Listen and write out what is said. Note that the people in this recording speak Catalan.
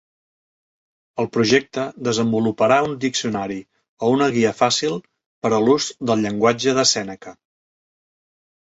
El projecte desenvoluparà un diccionari o una guia fàcil per a l'ús del llenguatge de Sèneca.